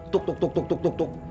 tuh tuh tuh tuh tuh tuh